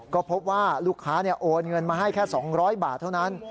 ก็พบว่าลูกค้าโอนเงินมาให้แค่๒๐๐บาทเท่านั้น